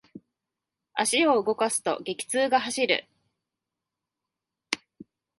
足を動かすと、激痛が走る。